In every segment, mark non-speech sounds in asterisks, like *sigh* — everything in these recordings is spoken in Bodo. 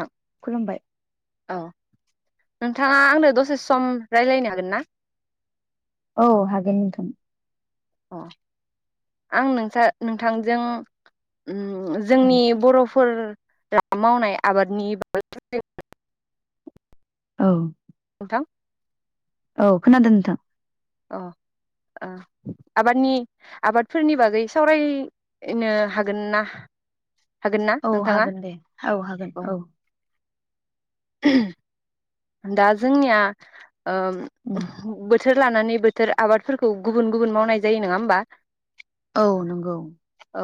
औ खुलुमबाय औ नोंथाङा आंनो दसे सम रायज्लायनो हागोन ना? औ हागोन नोंथां। अ आं नों नोंथांजों। उम जोंनि बर'फोर। मावनाय आबादनि *unintelligible* औ। *unintelligible* औ खोनादों नोंथां। अ आबादनि आबादफोरनि बागै सावरायनो हागोन ना? हागोन ना औ नोंथाङा हागोन दे औ हागोन औ। *unintelligible* दा जोंनिया ओ। उम *unintelligible* लानानै बोथोर आबादफोरखौ गुबुन गुबुन मावनाय जायो नङा होमबा? औ नंगौ औ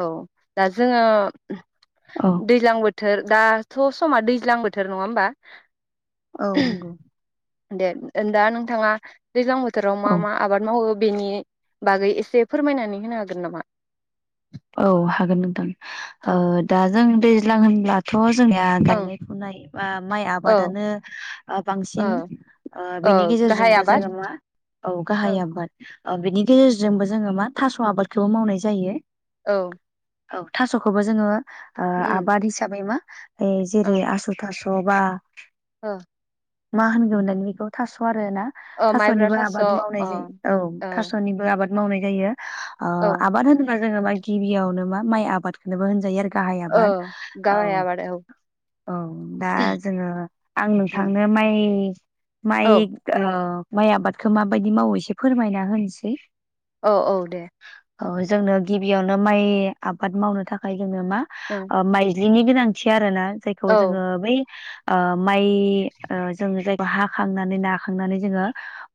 दा जोङो औ दैज्लां बो थोर दाथ' समा दैज्लां बोथोर नङा होमबा औ नंगौ। दे ओनदा नोंथांङा। दैज्लां बोथोराव मा औ मा आबाद मावो? बेनि बागै एसे फोरमायनानै होनो हागोन नामा औ हागोन नोंथां औ ओ दा जों दैज्लां होनब्लाथ। जोंनिया ओं गायनाय फुनाय बा माइ औ आबादानो ओ बांसिन औ ओ औ बेनि गाहाय गेजेरजोंबो आबाद जोंङो मा औ ओं गाहाय आबाद। ओ बेनि गेजेरजोंबो जोंङो मा थास आबादखौबो मावनाय जायो। औ औ थास'खौबो जोंङो। ओ उम आबाद हिसाबै मा ओइ ओ जेरै आसु थास' नंङाबा ओ मा होनगोन बेखौ थास'आ *unintelligible* ओ माइब्रा थासनिबो थास' आबाद मावनाय अ जायो औ थासनिबो आबाद मावनाय जायो अ औ आबाद होनोब्ला जोंङो गिबियावनो मा माइ आबादखौनोबो होनजायो आरो गाहाय औ आबाद औ गाहाय आबाद औ औ दा जोंङो आं उम नोंथांनो माइ औ माइ ओ माइ आबादखौ माबायदि मावो एसे फोरमायना होनोसै। औ औ दे औ जोंनो गिबियावनो माइ आबाद मावनो थाखाय जोंङो मा ओं ओ माइ ज्लिनि गोनांथि आरो ना जायखौ औ जोंङो बै ओ उम माइ जों जायखौ बा हाखांनानै नाखांनानै जोंङो।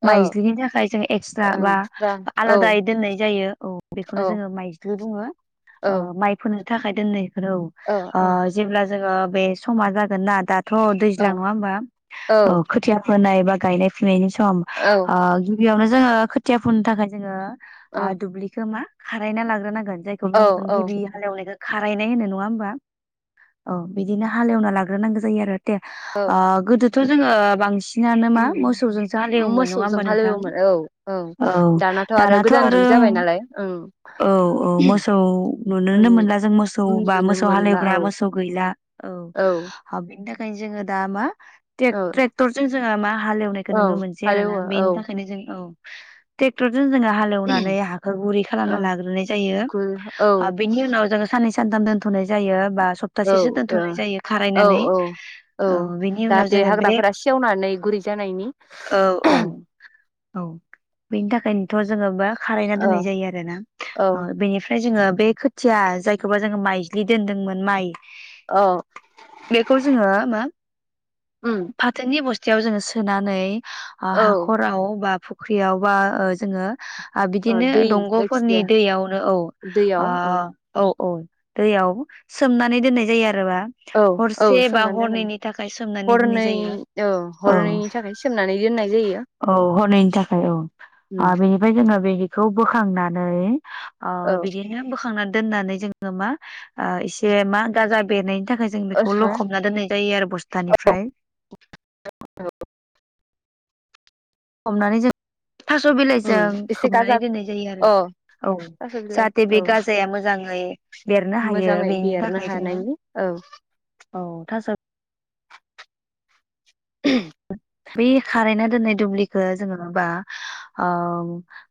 औ माइज्लिनि थाखाय जों एक्सथ्रा ओं बा स्रां औ आलादायै दोननाय जायो औ बेखौनो जोंङो माइज्लि। माइज्लि औ बुङो। माइ फोनो। नि थाखाय दोनै औ ओ जेब्ला जोङो बे समा जागोन ना दा थ' औ दैज्लां नङा होमबा? औ खोथिया होनाय बा गायनाय फुनायनि सम औ ओ बेयावनो जोङो खोथिया फुनो थाखाय जोङो ओ औ दुब्लिखो मा खारायना ला ग्रोनांगोन जायखौ बुङो जों औ गिबि हालेवनायखौ। खारायनाय होनो नङा होमबा औ बिदिनो हालेवना लाग्रोनांगौ जायो आरो दे ओ गोदो थ' जोङो बांसिन ओम मोसौजों नोंथां हालेवोमोन औ औ दानाथ' आरो गोदान जुग जाबाय नालाय औ औ मोसौ नुनोनो मोनला जों मोसौ बा उन्दुनो मोसौ मोनला हालेवग्रा औ मोसौ गैला औ बेनि थाखाय ओंखायनो जोङो दा मा औ ट्रेक्टरजों जोङो मा हालेवनायखौ औ नुनो मोनसै आरो ना हालेवो औ बेनि ओं थाखायनो जों औ ट्रेक्टर जों जोङो हालेवनानै हाखौ गुरै औ खालामना लाग्रो जायो ओ बेनि उनाव जों सा सानै सानथाम दोनथ'नाय जायो बा औ सपतासेसो दोन्थ'नाय जायो औ खारायनानै औ औ बेनि उनाव जाहाथे जोङो बे हाग्राफोरा सेवनानै गुरै जानायनि औ औ। बेनि थाखायनोथ' जोङो बा खारायना औ दोननाय जायो आरो ना औ बेनिफ ओमफ्राय जोङो बे खोथिया जायखौबा जोङो माइज्लि दोनदोंमोन माइ औ बेखौ जोङो मा उम फाथोनि बस थियाव जोङो सोनानै औ हाखराव बा फ फख्रियाव बा ओ जोङो ओ बिदिनो दै दंग' नि जायखिजाया दैयावनो औ दैयाव आ औ अ औ दैयाव सोमनानै दोननाय जायो आरो औ औ हरसे बा सोमनानै दोनो हरनैनि थाखाय सोमनानै दोन्नाय हरनै जायो। औ हरनैनि थाखाय सोमनानै दोननाय जायो उम खौ बोखांनान नै ओ बिदिनो बोखांनान दोननानै जोङो मा ओ एसे मा गाजा बेरनायनि नि थाखाय जों बेखौ औ लखबना दोननाय जायो आरो बस्थानिफ्राय। हमनानै जो थास' बिलाइजों उम एसे गाजा खोबनानै दोननाय जायो अ आरो औ थास' बिलाइ जाहाथे बे औ गाजाया मोजाङै बेरनो हायो मोजाङै बेनि बेरनो थाखाय जोङो हानायनि औ औ थास' *inaudible* बे खारायना दोननाय दुब्लिखो जोङो बा ओ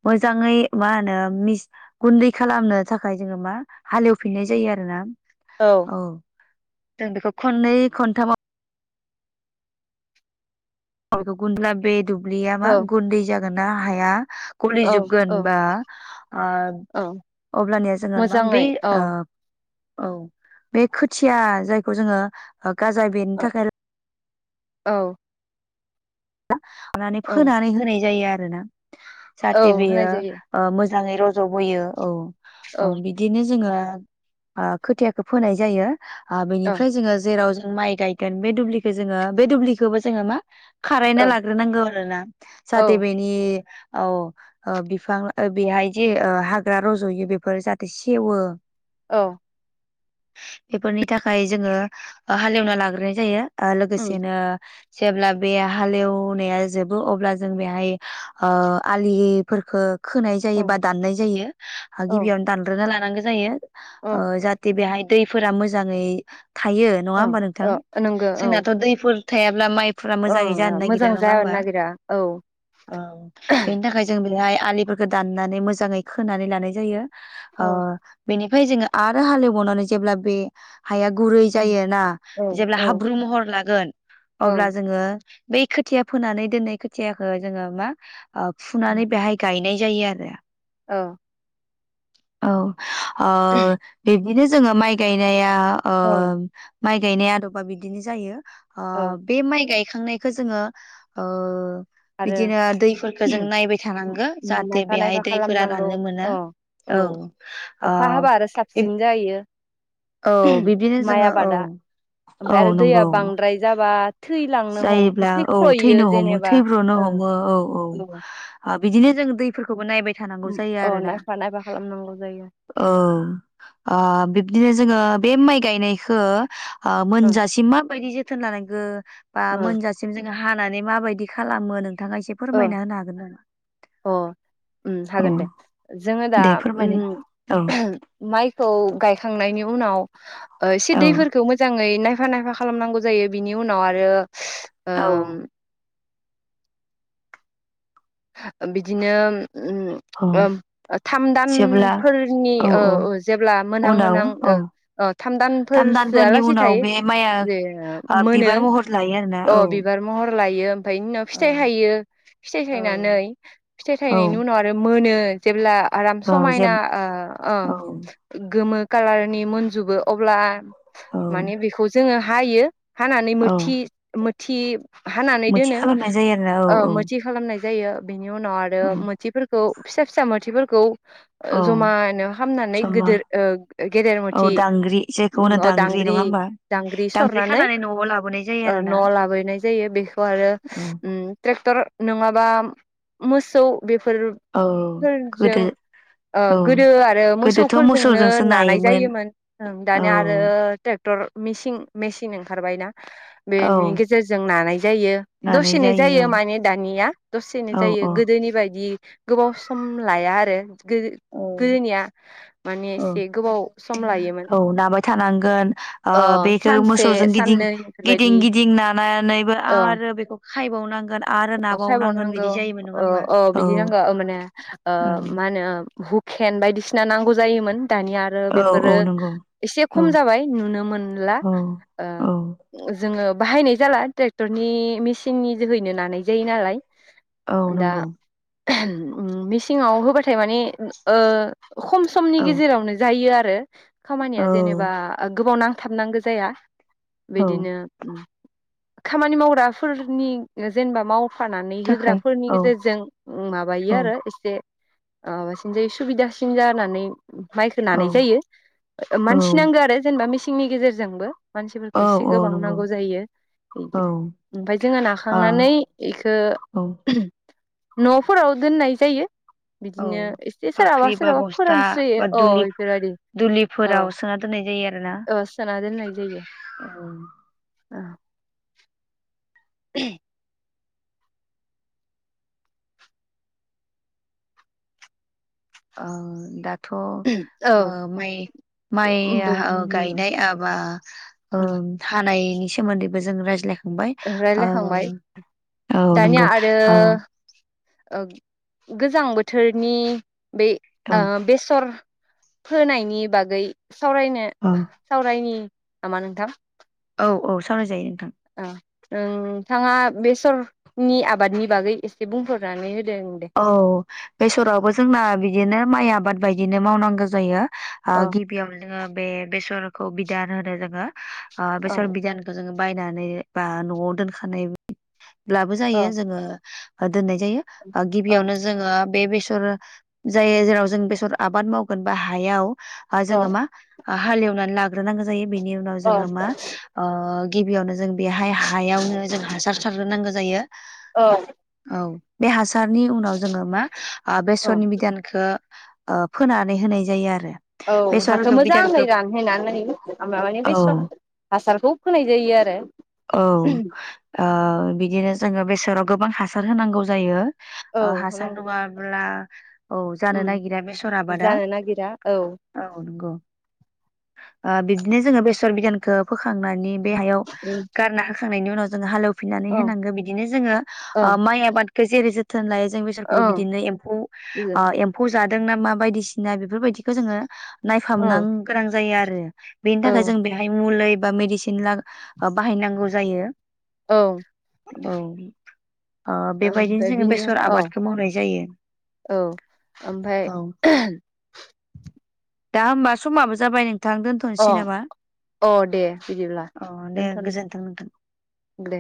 मोजाङै मा होनो मिस गुन्दै खालामनो थाखाय जोङो मा हालेवफिननाय जायो आरोना। औ जों बेखौ खननै खनथामाव *unintelligible* दुब्लिया बा औ गुन्दै जागोन ना हाया औ गलिजोबगोन औ बा आ औ अब्लानिया जोङो मा बे मोजाङै औ ओ औ बे खोथिया जायखौ जोङो गाजा बेरनो औ थाखाय औ नानै फोनानै होनाय जायो आरो। होना औ जाहाथे बेयो होनाय जायो ओ मो मोजाङै रज'बोयो औ। अ औ बिदिनो जोङो ओ खोथियाखौ फोनाय जायो। आं औ बेनिफ्राय जोङो जेराव माइ गायगोन बे दुब्लिखो जोङो बे दुब्लिखोबो जोङो मा खारायना औ लाग्रोनांगौ आरोना औ जाहाथे बेनि औ ओ बिफां ओ बेहाय जे ओ हाग्रा रज'यो बेफोर जाहाथे सेवो औ बेफोरनि थाखाय जोङो ओ हालेवना लाग्रोनाय जायो। ओ उम लोगोसेनो जेब्ला बे हालेवनाया जोबो अब्ला जों बेहाय ओ आलिफोरखो खोनाय जायो उम बा दाननाय जायो औ गिबियावनो दानग्रोना लानो नांगौ जायो औ ओ जाथे बेहाय दैफोरा मोजाङै थायो नङा औ होमबा नोंथां औ नंगौ औ जोंनाथ' दैफोर थायाब्ला माइ फुरा ओ मोजाङै जानो नागिरा मोजां नङा जानो होमबा नागिरा औ औ बेनि थाखाय जों बेहाय आलिफोरखौ दाननानै मोजाङै खोनानै लानाय जायो। औ ओ बेनि फ्राय जोङो आरो हालेवबावनानै जेब्ला बे हाया गुरै उम जायो ना औ जेब्ला हाब्रु महर लागोन अब्ला ओं बै खोथिया फोनानै दोननाय खोथियाखौ जोङो मा ओ फुनानै बेहाय गायनाय जायो आरो। औ औ ओ बि बिदिनो जोङो माइ गायनाया ओ औ माइ गायनाय आदबा बिदिनो जायो। ओ औ बे माइ गायखांनायखौ जोङो ओ आरो बिदिनो दैफोरखौ जों नायबाय थानांगो जाहाथे नायफा बेहाय नायफा दैफोरा खालामनांगौ राननो मोनो अ औ ओ अखा हाबा आरो साबसिन जायो औ बिब्दिनो माइ जोङो औ आबादा ओमफ्राय औ आरो दैया नंगौ बांद्राय जाबा थैलांनो हम थैख्र'यो जेनेबा। नो हमो ओ औ औ बिदिनो जों दैफोरखौ नायबाय थानागौ जायो अ आरोना नायफा नायफा खालामनांगौ जायो औ ओ बिब्दिनो जोङो बे माइ गायनायखो ओ ओं मोनजासिम माबायदि जेन थोन लानांगो बा ओं मोनजासिम जों हानानै माबायदि खालामो नों ओ अ उम औ हागोन दे जोंङो दा दे उम फोरमायनाय औ माइखौ गायखांनायनि उनाव ओ एसे औ दैफोरखौ मोजांङै नाय नायफा-नायफा खालामनांगौ जायो बिनि उनाव आरो औ ओम बिदिनो उम औ ओ थाम जेब्ला दानफोरनि औ ओ औ जेब्ला मोनहां उनाव औ मोनहां ओ थाम थाम दानफोरसोआ दानफोरनि लासे उनाव थायो बे माइआ जे ओ मोनो बिबार महर लायो आरोना अ औ बिबार महर लायो ओमफाय बेनि उनाव फिथाइ थाययो फिथाइ नानै फिथाइ औ थायनायनि उनाव आरो मो मोनो जेब्ला आराम औ जे समायना ओ ओ औ गोमो कालारनि मोनजोबो अब्ला औ माने बेखौ जोंङो हायो हानानै औ मोथि थि हानानै मोथि दोनो खालामनाय जायो आरोना ओ औ मोथि खालामनाय जायो बेनि उनाव आरो औ औ मोथिफोरखौ फिसा फिसा मोथिफोरखौ ओ औ जमानो खामनानै समा गोदेर ओ गेदेर औ मोथि दांग्रि जायखौ होनो दांग्रि नङा होमबा दांग्रि सरनानै खानानै न'आव लाबोनाय जायो ओ आरोना नआव लाबोनाय जायो बेखौ आरो औ उम ट्रेक्टर नंङा थाम मोसौ औ बेफोरफोरजों गोदो ओ औ गोदो आरो गोदोथ' मोसौफोरजोंनो मोसौजोंसो नानाय नायोमोन जायोमोन औ दानिया आरो ट्रेक्टर मेचिं मेचिन ओं खारबाय ना औ बेनि गेजेरजों नानाय जायो दसेनो जायो माने दानिया दसेनो औ जायो औ गोदोनि बाय बिदि गोबाव सम लाया आरो गोदो औ गोदोनिया माने औ एसे गोबाव सम लायोमोन औ नाबाय थानांगोन ओ बेखौ सानसे मोसौजों गिदिं साननै गिदिं बेफोरबायदि गिदिं नानानैबो ओ आरो बेखौ खायबावनांगोन आरो नाबाव खायबावनांगौ अ औ बिदि नांगौ माने ओ औ मा होनो हु खेन बायदिसिना नांगौ जायोमोन। दानिया आरो औ औ बेफोरो नंगौ एसे औ खम जाबाय नुनो मोनला औ ओ औ जोंङो बाहायनाय जाला ट्रेक्टरनि मेसिननि जोहैनो लानाय जायो नालाय औ नोंगौ मेसिंङाव होबाथाय माने ओ खम समनि औ गेजेरावनो जायो आरो आरो खामानिया औ जेनेबा गोबाव नां थाबनांगौ जाया औ बिदिनो उम खामानि मावग्राफोरनि जेनेबा मावफानानै थाखाय होग्राफोरनि औ गेजेरजों औ माबायो आरो एसे ओ माबासिन जायो सुबिदासिन जानानै माइखौ औ नानाय जायो औ मानसि नांगौ आरो जेनेबा मिसेन सिंनि गेजेरजोंबो औ मानसिफोरखौ एसे औ गोबां नंगौ नांगौ जायो बिदि औ ओमफ्राय जोङो आ नाखांनानै बेखौ औ न'फोराव दोननाय जायो औ बिदिनो एसे सोरहाबा फाख्रि बा सोरहाबा बस्था फोरानस्रोयो बा अ दुलि बेफोरबायदि दुलिफोराव सोना दोननाय जायो आरो ओ सोना दोननाय जायो *inaudible* *inaudible* औ दा थ' ओ औ माइ माइया बोरनि गायनायाबा ओ हानाय *inaudible* बे सोमोन्दैबो जों राज्लाय खांबाय ओ रायलायखांबाय औ नंगौ ओ गोजां बोथोरनि बे औ ओ बेसर फोनायनि बागै सावरायनो औ सावरायनि नामा नोंथां औ - औ सावराय जायो नोंथां नोंथाङा बेसरनि आबादनि बागै एसे बुंफोरनानै हो औ बेसरावबो जोंना बिदिनो माइआ आबाद बायदिनो मावनांगौ जायो ओ अ गिबियाव जोङो बे बेसर खौ बिधान होनो जोङो ओ अ बेसर बिधयानखौ जोङो बायनानै बा न'आव दोनखानाय लाबो अ अ जायो जोङो दोननाय जायो। ओ गिबियावनो जोङो बे बेसर जायो जेराव जों बेसर आबाद मावगोन बा हायाव ओ जोङो मा ओ हालेवनानै ला ग्रोनांगौ जायो। बिनि उनाव अ जोङो मा ओ गिबियावनो जों बेहाय हायावनो जों हासार सार नांगौ जायो। अ औ बे हासार सारनि उनाव जोङो मा ओ अ बेसरनि बिदानखौ ओ फोनानै होनाय जायो आरो। औ बेसर हाखौ मोजाङै बिधानखौ रानहैनानै माने औ बेसर हासारखौ फोनाय जायो आरो। औ जेराव गोबां हासार होनांगौ जायो। औ हासार होनांगौ जायो नङाब्ला औ जानो उम नागिरा बेसर आबादा जानो नागिरा औ औ नंगौ ओ बिदिनो जोङो बेसर बिगियानखौ फोखांनानि बे हायाव औ गारना खांनायनि उनाव जों हालेव फिननानै औ होनांगौ बिदिनो जोङो औ ओ माइ आबाद जेरै जो थोन लायो जों बिसरखौबो बिदिनो एम्फौ ओ एम्फौ जा दोंना मा बायदिसिना बेफोरबायदिखौ जोङो औ नायफामनां गोनां जायो आरो बेनि थाखाय जों बेहाय मुलै बा मेडिसिन ला-बाहायनांगौ जायो। औ औ ओ बेबायदिनो ओमफ्राय जोङो बिनि बेस औ औ ओमफ्राय औ दा होमबा समाबो जाबाय नों अ अ दे बिदिब्ला अ दे दोनथ' गोजोन्थों नोंथां दे।